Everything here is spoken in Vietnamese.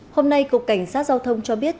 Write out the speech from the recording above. hôm nay cục cảnh sát giao thông cho biết